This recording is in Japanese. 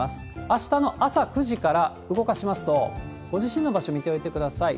あしたの朝９時から動かしますと、ご自身の場所見ておいてください。